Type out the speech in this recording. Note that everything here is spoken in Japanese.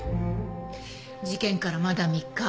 事件からまだ３日。